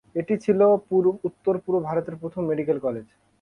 এটি ছিল উত্তর-পূর্ব ভারতের প্রথম মেডিকেল কলেজ।